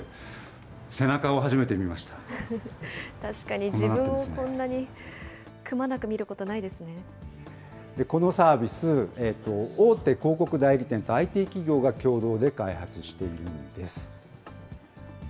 初めて、確かに、自分をこんなにくまこのサービス、大手広告代理店とＩＴ企業が共同で開発しているんです。